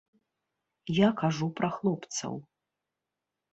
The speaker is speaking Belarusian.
Я кажу пра хлопцаў.